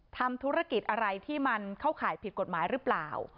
ทำธุรกิจอะไรที่มันเข้าข่ายผิดกฎหมายหรือเปล่า